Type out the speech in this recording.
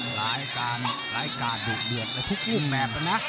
หลายการหลายการดูดเดือดและทุกรุ่งแมบนะ